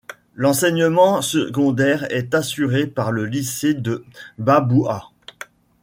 L'enseignement secondaire est assuré par le lycée de Baboua.